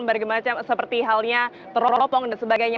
bagaimana seperti halnya terlopong dan sebagainya